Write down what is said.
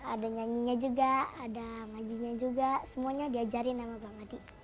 ada nyanyinya juga ada ngajinya juga semuanya diajarin sama bang adi